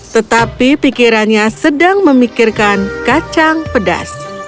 tetapi pikirannya sedang memikirkan kacang pedas